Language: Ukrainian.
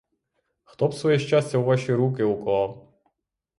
Хто б своє щастя у ваші руки уклав!